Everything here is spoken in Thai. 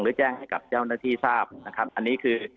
แจ้งให้กับเจ้าหน้าที่ทราบนะครับอันนี้คือ